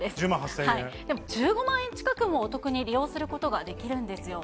でも１５万円近くもお得に利用することができるんですよ。